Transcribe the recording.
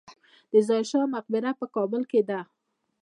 د ظاهر شاه مقبره په کابل کې ده